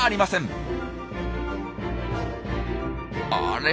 あれ？